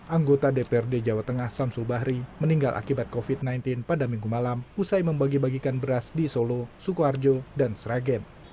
anggota dprd jawa tengah samsul bahri meninggal akibat covid sembilan belas pada minggu malam usai membagi bagikan beras di solo sukoharjo dan sragen